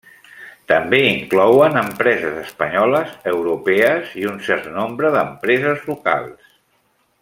També inclouen empreses espanyoles, europees i un cert nombre d'empreses locals.